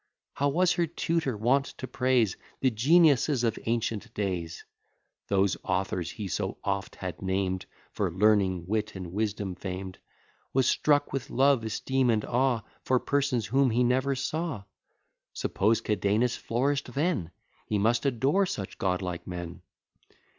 How was her tutor wont to praise The geniuses of ancient days! (Those authors he so oft had named, For learning, wit, and wisdom, famed;) Was struck with love, esteem, and awe, For persons whom he never saw. Suppose Cadenus flourish'd then, He must adore such godlike men.